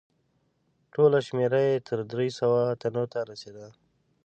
ټوله شمیر یې تر درې سوه تنو ته رسیده.